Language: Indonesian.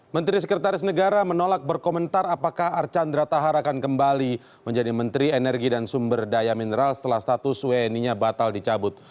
menteri sekretaris negara menolak berkomentar apakah archandra tahar akan kembali menjadi menteri energi dan sumber daya mineral setelah status wni nya batal dicabut